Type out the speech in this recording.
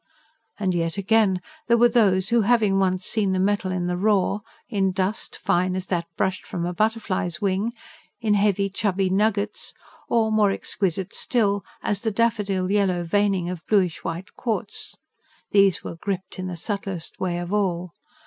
And, yet again, there were those who, having once seen the metal in the raw: in dust, fine as that brushed from a butterfly's wing; in heavy, chubby nuggets; or, more exquisite still, as the daffodil yellow veining of bluish white quartz: these were gripped in the subtlest way of all.